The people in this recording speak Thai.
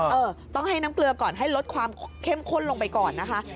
เออต้องให้น้ำเกลือก่อนให้ลดความเข้มข้นลงไปก่อนนะคะ